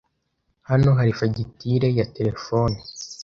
Hano hari fagitire ya terefone.